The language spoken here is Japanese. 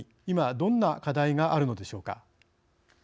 今どんな課題があるのでしょうか。